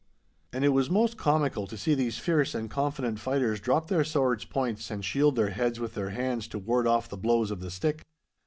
And it was most comical to see these fierce and confident fighters drop their swords' points and shield their heads with their hands to ward off the blows of the stick.